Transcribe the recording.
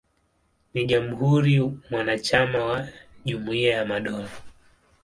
Ni jamhuri mwanachama wa Jumuiya ya Madola.